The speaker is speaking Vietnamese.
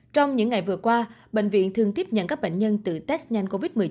trong những ngày vừa qua bệnh viện thường tiếp nhận các bệnh nhân từ test nhanh covid một mươi chín